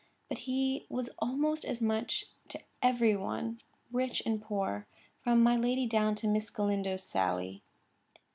But he was almost as much to every one, rich and poor, from my lady down to Miss Galindo's Sally.